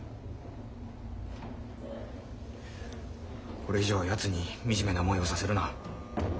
これ以上やつに惨めな思いをさせるな。